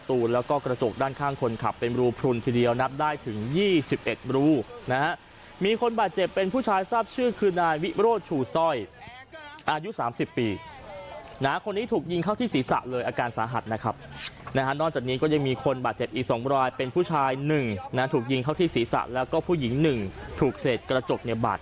กระจกด้านข้างคนขับเป็นรูพลุนทีเดียวนับได้ถึง๒๑รูนะฮะมีคนบาดเจ็บเป็นผู้ชายทราบชื่อคือนายวิโรธชูสร้อยอายุสามสิบปีนะคนนี้ถูกยิงเข้าที่ศีรษะเลยอาการสาหัสนะครับนะฮะนอกจากนี้ก็ยังมีคนบาดเจ็บอีกสองรายเป็นผู้ชายหนึ่งนะถูกยิงเข้าที่ศีรษะแล้วก็ผู้หญิงหนึ่งถูกเศษกระจกเนี่ยบาด